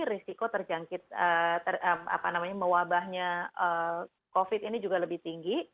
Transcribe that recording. risiko terjangkit mewabahnya covid ini juga lebih tinggi